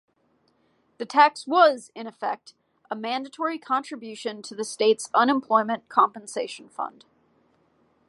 The tax was in effect a mandatory contribution to the state's Unemployment Compensation Fund.